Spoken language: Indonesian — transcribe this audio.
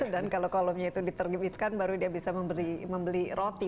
dan kalau kolomnya itu diterbitkan baru dia bisa membeli roti